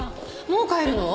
もう帰るの？